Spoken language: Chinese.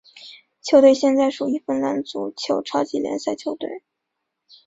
球队现在属于芬兰足球超级联赛球队。